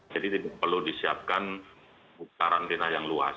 tidak perlu disiapkan karantina yang luas